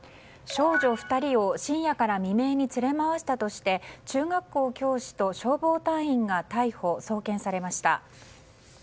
少女２人を深夜から未明に連れ回したとして中学校教師と消防隊員が逮捕・送検されました。